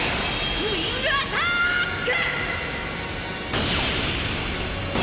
ウィングアターック！